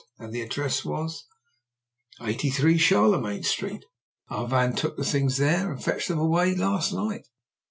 "And the address was?" "83, Charlemagne Street. Our van took the things there and fetched them away last night."